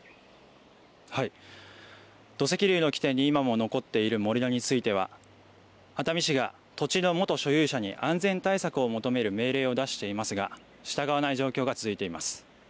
土石流の起点に今も残っている盛り土については、熱海市が土地の元所有者に安全対策を求める命令を出していますが、従わない状況が続いています。